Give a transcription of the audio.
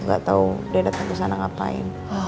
gak tau dia datang kesana ngapain